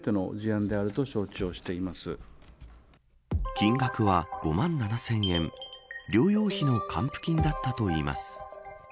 金額は５万７０００円療養費の還付金だったといいます。